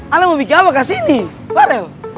ala mau bikin apa kesini farel